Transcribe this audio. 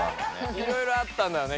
いろいろあったんだよね